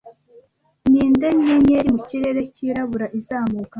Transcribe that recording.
ninde nyenyeri mu kirere cyirabura izamuka